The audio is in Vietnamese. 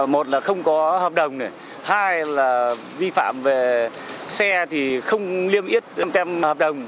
một là không có hợp đồng này hai là vi phạm về xe thì không liêm yết tem hợp đồng